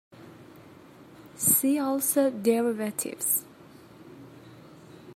See also Derivatives.